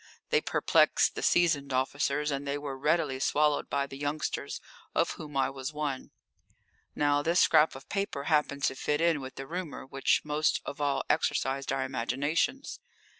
They perplexed the seasoned officers and they were readily swallowed by the youngsters, of whom I was one. Now, this scrap of paper happened to fit in with the rumour which most of all exercised our imaginations.